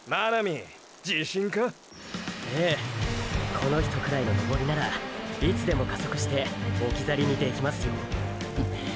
この人くらいの登りならいつでも加速して置き去りにできますよ？！